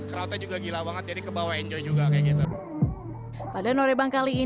biasanya kita mengadain acara untuk teman teman stay